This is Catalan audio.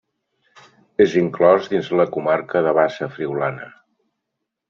És inclòs dins la comarca de Bassa Friülana.